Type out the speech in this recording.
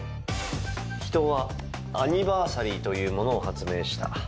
人はアニバーサリーというものを発明した。